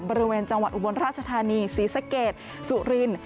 บริเวณจังหวัดอุบลราชธานีศรีสะเกดสุริน